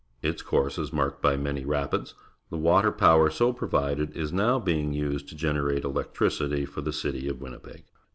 Its course is marked bj' many rapids. The water power so provided is now being used to generate electricitj' for the citj' of Winnipeg.